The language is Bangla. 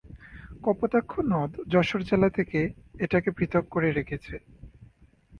কপোতাক্ষ নদ যশোর জেলা থেকে এটাকে পৃথক করে রেখেছে।